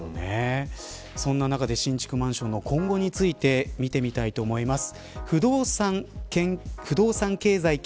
そんな中で新築マンションの今後について見てみたいと思います。